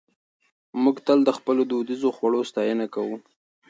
موږ تل د خپلو دودیزو خوړو ستاینه کوو.